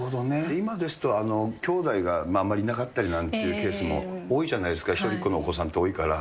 今ですと、きょうだいがあんまりなかったりなんていうケースも多いじゃないですか、一人っ子のお子さんって多いから。